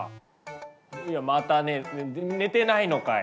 いやまた寝る寝てないのかい！